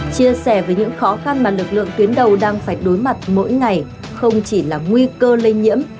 chia sẻ với những khó khăn mà lực lượng tuyến đầu đang phải đối mặt mỗi ngày không chỉ là nguy cơ lây nhiễm